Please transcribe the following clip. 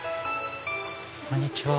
こんにちは。